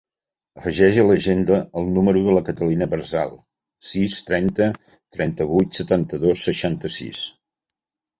Afegeix a l'agenda el número de la Catalina Berzal: sis, trenta, trenta-vuit, setanta-dos, seixanta-sis.